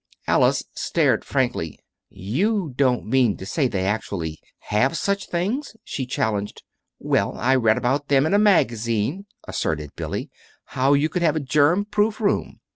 Alice stared frankly. "You don't mean to say they actually have such things," she challenged. "Well, I read about them in a magazine," asserted Billy, " how you could have a germ proof room.